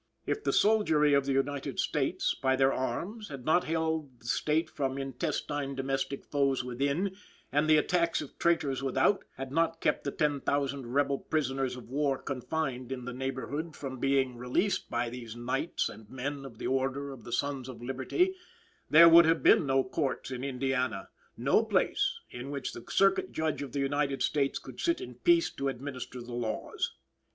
"If the soldiery of the United States, by their arms, had not held the State from intestine domestic foes within, and the attacks of traitors without; had not kept the ten thousand rebel prisoners of war confined in the neighborhood from being released by these Knights and men of the Order of the Sons of Liberty; there would have been no courts in Indiana, no place in which the Circuit Judge of the United States could sit in peace to administer the laws."